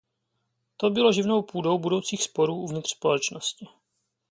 To by bylo živnou půdou budoucích sporů uvnitř společnosti.